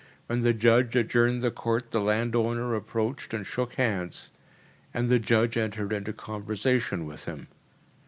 When the judge adjourned the court the landowner approached, and shook hands, and the judge entered into conversation with him.